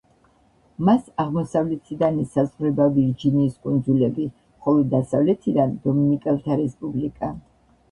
მას აღმოსავლეთიდან ესაზღვრება ვირჯინიის კუნძულები, ხოლო დასავლეთიდან დომინიკელთა რესპუბლიკა.